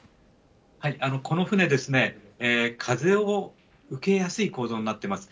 この船ですね、風を受けやすい構造になっています。